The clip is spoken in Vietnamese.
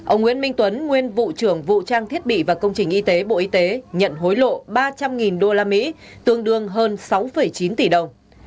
ông nguyễn minh tuấn nguyên vụ trưởng vụ trang thiết bị và công trình y tế bộ y tế nhận hối lộ ba trăm linh usd tương đương hơn sáu chín tỷ đồng